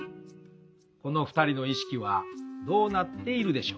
この２人の意識はどうなっているでしょうか？